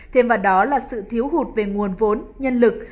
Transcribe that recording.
thêm vào đó là sự thiếu hụt về nguồn vốn nhân lực